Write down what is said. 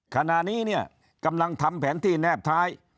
ขณะนี้เนี่ยกำลังทำแผนที่แนบท้าย